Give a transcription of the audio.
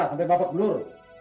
sampai bapak belur